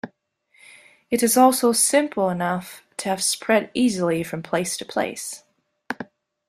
It is also simple enough to have spread easily from place to place.